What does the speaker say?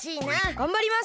がんばります！